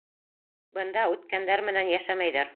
— Бында үткәндәр менән йәшәмәйҙәр.